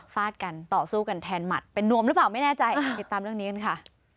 ฟาดกันต่อสู้กันแทนหมัดเป็นนวมหรือเปล่าไม่แน่ใจติดตามเรื่องนี้กันค่ะ